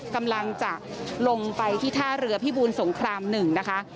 กำลังจะลงไปที่ท่าเรือพิบูลสงคราม๑นะคะ